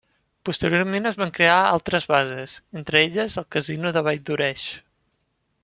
Posteriorment es van crear altres bases, entre elles el casino de Valldoreix.